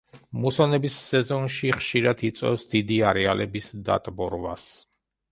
მუსონების სეზონში ხშირად იწვევს დიდი არეალების დატბორვას.